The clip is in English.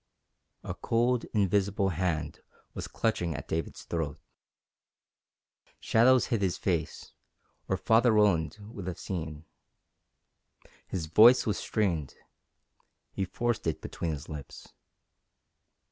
A cold, invisible hand was clutching at David's throat. Shadows hid his face, or Father Roland would have seen. His voice was strained. He forced it between his lips.